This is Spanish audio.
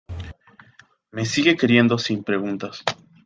me sigue queriendo sin preguntas